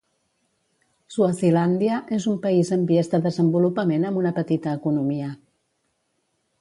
Swazilàndia és un país en vies de desenvolupament amb una petita economia.